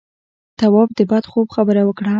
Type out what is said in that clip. تواب د بد خوب خبره وکړه.